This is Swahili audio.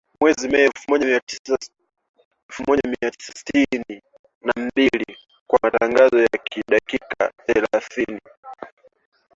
Mwezi Mei elfu moja mia tisa sitini na mbili kwa matangazo ya dakika thelathini